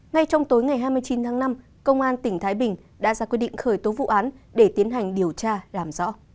ngay trong tối ngày hai mươi chín tháng năm công an tỉnh thái bình đã ra quyết định khởi tố vụ án để tiến hành điều tra làm rõ